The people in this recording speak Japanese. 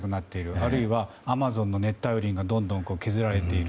あるいはアマゾンの熱帯雨林がどんどん削られている。